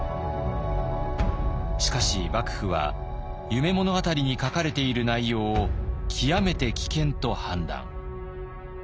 しかし幕府は「夢物語」に書かれている内容を極めて危険と判断。